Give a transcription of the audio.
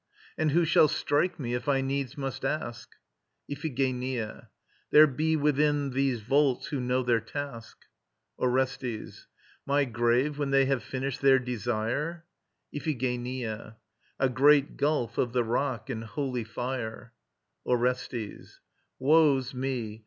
And who shall strike me, if I needs must ask? IPHIGENIA. There be within these vaults who know their task. ORESTES. My grave, when they have finished their desire? IPHIGENIA. A great gulf of the rock, and holy fire. ORESTES. Woe's me!